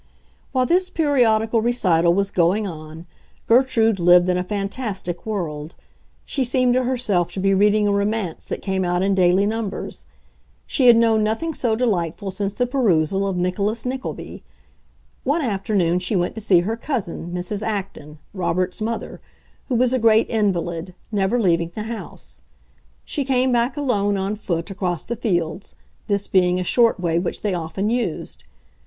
While this periodical recital was going on, Gertrude lived in a fantastic world; she seemed to herself to be reading a romance that came out in daily numbers. She had known nothing so delightful since the perusal of Nicholas Nickleby. One afternoon she went to see her cousin, Mrs. Acton, Robert's mother, who was a great invalid, never leaving the house. She came back alone, on foot, across the fields—this being a short way which they often used.